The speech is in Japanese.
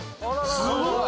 すごい！